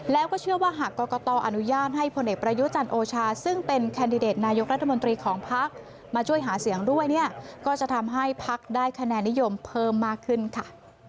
แล้วก็เชื่อว่าหากกตอนุญาตให้พลเอกประยุจันทร์โอชาซึ่งเป็นแคนดิเดตนายกรัฐมนตรีของพักมาช่วยหาเสียงด้วยเนี่ยก็จะทำให้พักได้คะแนนนิยมเพิ่มมากขึ้นค่ะ